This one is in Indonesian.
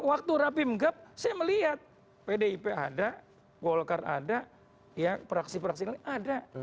waktu rapim gap saya melihat pdip ada golkar ada praksi praksi lain ada